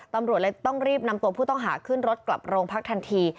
ตำรวจเลยต้องรีบนำตัวผู้ต้องหาขึ้นรถกลับโรงพักทันที